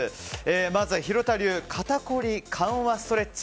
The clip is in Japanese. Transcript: まずは廣田流肩凝り緩和ストレッチ。